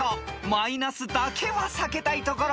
［マイナスだけは避けたいところ］